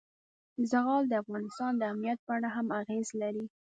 زغال د افغانستان د امنیت په اړه هم اغېز لري.